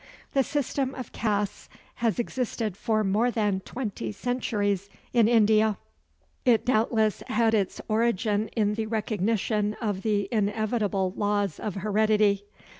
The system of castes has existed for more than twenty centuries in India. It doubtless had its origin in the recognition of the inevitable laws of heredity.